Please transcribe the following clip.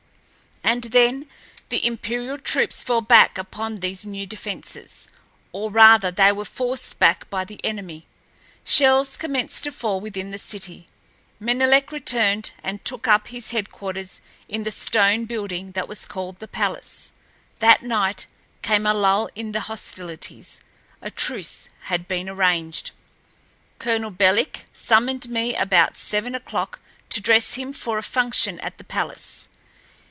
And then the imperial troops fell back upon these new defenses, or, rather, they were forced back by the enemy. Shells commenced to fall within the city. Menelek returned and took up his headquarters in the stone building that was called the palace. That night came a lull in the hostilities—a truce had been arranged. Colonel Belik summoned me about seven o'clock to dress him for a function at the palace.